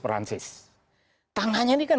perancis tangannya ini kan